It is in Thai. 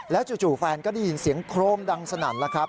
จู่แฟนก็ได้ยินเสียงโครมดังสนั่นแล้วครับ